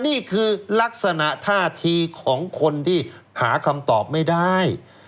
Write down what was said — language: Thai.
นี่คือลักษณะท่าทีของคนที่หาคำตอบไม่ได้